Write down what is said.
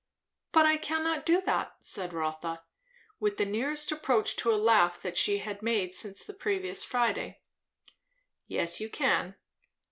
"But I cannot do that," said Rotha, with the nearest approach to a laugh that she had made since the previous Friday. "Yes, you can.